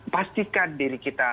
pastikan diri kita